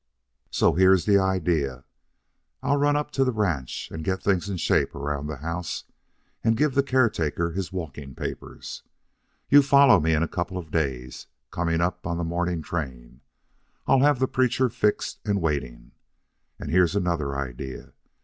So here's the idea: I'll run up to the ranch and get things in shape around the house and give the caretaker his walking papers. You follow me in a couple of days, coming on the morning train. I'll have the preacher fixed and waiting. And here's another idea.